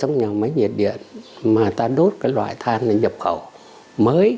trong nhà máy nhiệt điện mà ta đốt cái loại than này nhập khẩu mới